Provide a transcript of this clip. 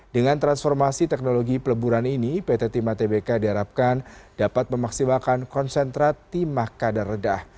dengan transformasi teknologi peleburan ini pt timah tbk diharapkan dapat memaksimalkan konsentrat timah kadar rendah